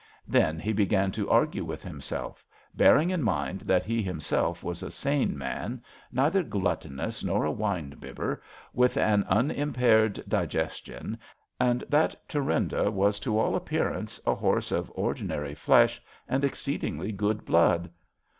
Then he began to argue with himself, bear ing in mind that he himself was a sane man, neither gluttonous nor a wine bibber, with an unimpaired digestion, and that Thurinda was to all appearance a horse of ordinary flesh and exceedingly good blood.